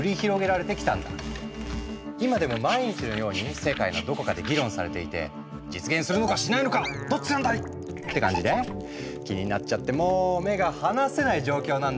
今でも毎日のように世界のどこかで議論されていて「実現するのかしないのかどっちなんだい！」って感じで気になっちゃってもう目が離せない状況なんだ。